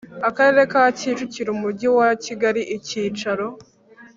Akarere ka Kicukiro Umujyi wa Kigali Icyicaro